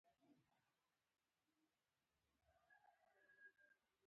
مس ګیج وویل: وان کمپن بده ښځه نه ده، خو یوه ستونزه لري.